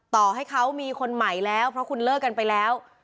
ต่อให้เขามีคนใหม่แล้วเพราะคุณเลิกกันไปแล้ว